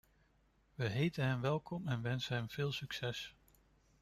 We heten hem welkom en wensen hem veel succes.